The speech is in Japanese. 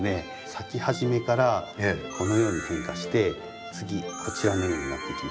咲き始めからこのように変化して次こちらのようになっていきます。